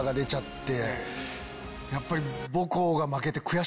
やっぱり。